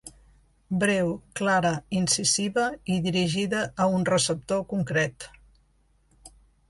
Breu, clara, incisiva i dirigida a un receptor concret.